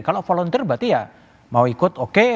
kalau volunteer berarti ya mau ikut oke